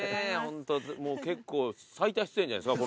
最多出演じゃないですか？